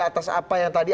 atas apa yang tadi